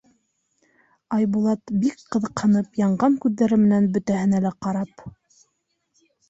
Айбулат, бик ҡыҙыҡһынып, янған күҙҙәре менән бөтәһенә лә ҡарап: